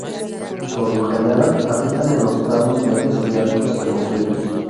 Por lo general habitan en los tramos medios y altos de los ríos.